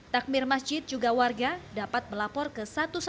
takmir masjid juga warga dapat melapor ke satu ratus dua belas